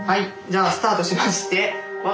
じゃあスタートしまして。